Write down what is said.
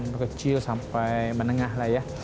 dari kecil sampai menengah lah ya